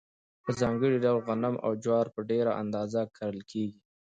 په ځانګړي ډول غنم او جوار په ډېره اندازه کرل کیږي.